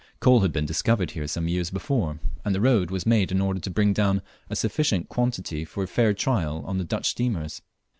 Coal had been discovered here some years before, and the road was made in order to bring down a sufficient quantity for a fair trial on the Dutch steamers.